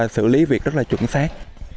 xử lý việc rất là chuẩn xác